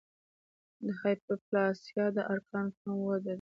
د هایپوپلاسیا د ارګان کم وده ده.